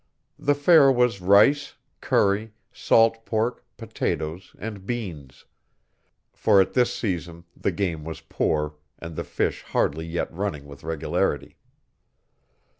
The fare was rice, curry, salt pork, potatoes, and beans; for at this season the game was poor, and the fish hardly yet running with regularity.